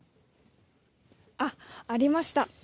あっ、ありました。